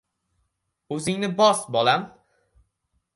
— O‘zingni bos, bolam!